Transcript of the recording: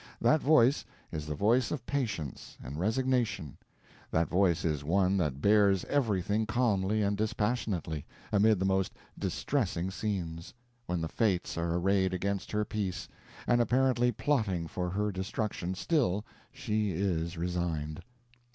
That voice is the voice of patience and resignation; that voice is one that bears everything calmly and dispassionately, amid the most distressing scenes; when the fates are arrayed against her peace, and apparently plotting for her destruction, still she is resigned.